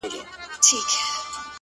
سترگي مي ړندې سي رانه وركه سې؛